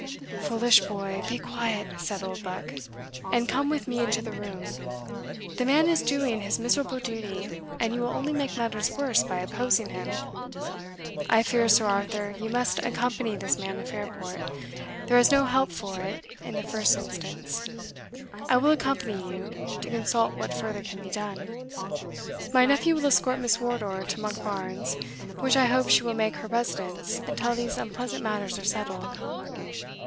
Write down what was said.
"Foolish boy, be quiet," said Oldbuck, "and come with me into the room the man is doing his miserable duty, and you will only make matters worse by opposing him. I fear, Sir Arthur, you must accompany this man to Fairport; there is no help for it in the first instance I will accompany you, to consult what further can be done My nephew will escort Miss Wardour to Monkbarns, which I hope she will make her residence until these unpleasant matters are settled."